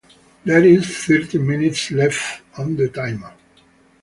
There is thirteen minutes left on the timer.